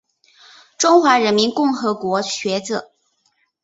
中华人民共和国学者。